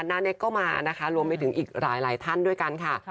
นาเน็กก็มานะคะรวมไปถึงอีกหลายท่านด้วยกันค่ะ